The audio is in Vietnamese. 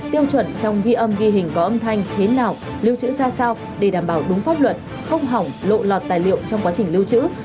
tiêu chuẩn trong ghi âm ghi hình có âm thanh thế nào lưu trữ ra sao để đảm bảo đúng pháp luật không hỏng lộ lọt tài liệu trong quá trình lưu trữ